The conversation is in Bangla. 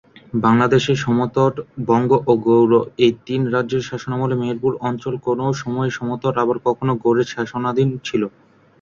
বাংলাদেশে সমতট, বঙ্গ ও গৌড় এই তিন রাজ্যের শাসনামলে মেহেরপুর অঞ্চল কোন সময়ে সমতট আবার কখনো গৌড়ের শাসনাধীন ছিল।